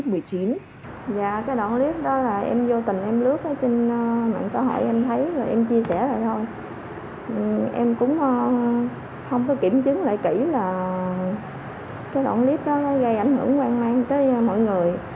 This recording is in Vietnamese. đoạn clip đó gây ảnh hưởng hoang mang tới mọi người